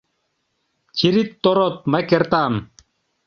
«Тирит-торот... мый кертам